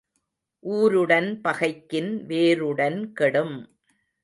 ஊருடன் பகைக்கின் வேருடன் கெடும்.